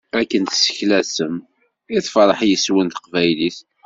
Akken tesseklasem i tferreḥ yes-wen teqbaylit.